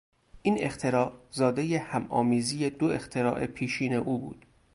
این اختراع زادهی همآمیزی دو اختراع پیشین او بود.